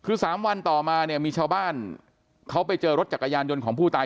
คือ๓วันต่อมาเนี่ยมีชาวบ้านเขาไปเจอรถจักรยานยนต์ของผู้ตาย